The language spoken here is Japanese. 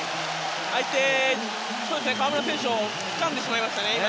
相手、河村選手をつかんでしまいましたね。